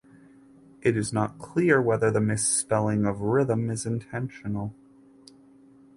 It is not clear whether the misspelling of "Rhythm" is intentional.